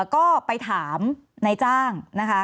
ก็ไปถามนายจ้างนะคะ